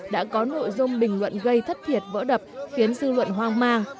đã có nội dung bình luận gây thất thiệt vỡ đập khiến dư luận hoang mang